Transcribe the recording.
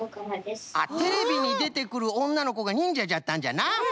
テレビにでてくるおんなのこがにんじゃじゃったんじゃな。